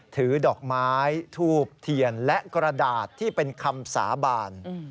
ถือดอกไม้ทูบเทียนและกระดาษที่เป็นคำสาบาน